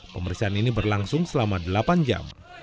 pemeriksaan ini berlangsung selama delapan jam